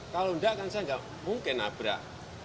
kalau enggak kan saya nggak mungkin nabrak